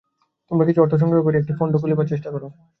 তোমরা কিছু অর্থ সংগ্রহ করিয়া একটি ফণ্ড খুলিবার চেষ্টা কর।